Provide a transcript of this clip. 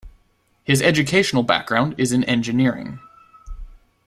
His educational background is in engineering.